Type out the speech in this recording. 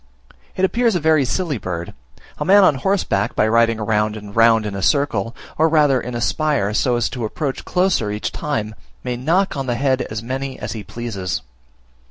It appears a very silly bird. A man on horseback by riding round and round in a circle, or rather in a spire, so as to approach closer each time, may knock on the head as many as he pleases.